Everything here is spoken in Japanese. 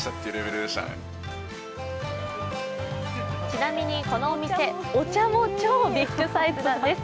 ちなみにこのお店、お茶も超ビッグサイズなんです。